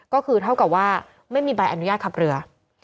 ก็คือเท่ากับว่าไม่มีใบอนุญาตขับเรือ